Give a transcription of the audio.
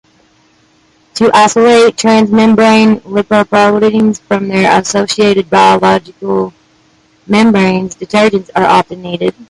To isolate transmembrane lipoproteins from their associated biological membranes, detergents are often needed.